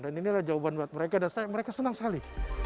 dan inilah jawaban buat mereka dan mereka senang sekali